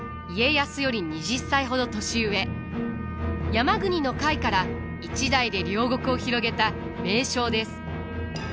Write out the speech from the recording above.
山国の甲斐から一代で領国を広げた名将です。